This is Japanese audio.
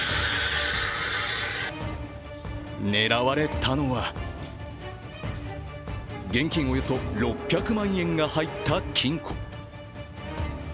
狙われたのは、現金およそ６００万円が入った金庫。